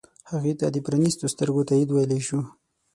هغې ته د پرانیستو سترګو تایید ویلی شو.